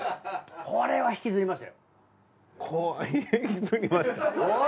これは引きずりました。